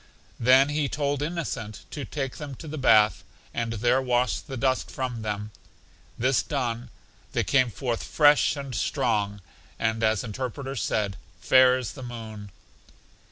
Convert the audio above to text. Then he told Innocent to take them to the bath, and there wash the dust from them. This done, they came forth fresh and strong, and as Interpreter said, Fair as the moon.